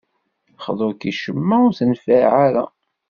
Xḍu-k i ccemma, ur tenfiɛ ara.